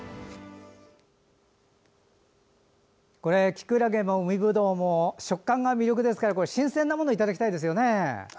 キクラゲも海ぶどうも食感が魅力ですから新鮮なものをいただきたいですよね。